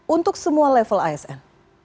untuk semua level asn